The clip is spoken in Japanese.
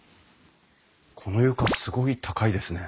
この床すごい高いですね。